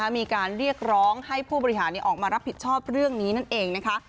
มีการเรียกร้องให้ผู้บริหารออกมารับผิดชอบเรื่องนี้นั่นเองนะคะ